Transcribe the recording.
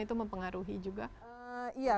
itu mempengaruhi juga iya